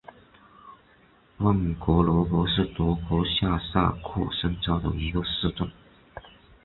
万格罗格是德国下萨克森州的一个市镇。